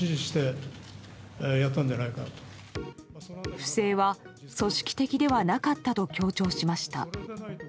不正は組織的ではなかったと強調しました。